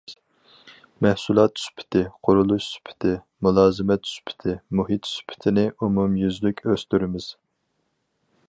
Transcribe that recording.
مەھسۇلات سۈپىتى، قۇرۇلۇش سۈپىتى، مۇلازىمەت سۈپىتى، مۇھىت سۈپىتىنى ئومۇميۈزلۈك ئۆستۈرىمىز.